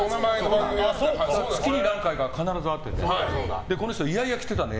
月に何回か必ず会っててこの人嫌々来てたんだよ